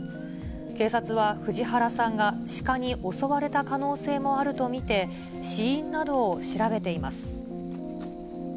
警察は藤原さんがシカに襲われた可能性もあると見て、死因などを調べています。